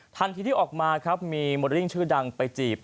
ทันทีที่ออกมาครับมีโมดริ่งชื่อดังไปจีบ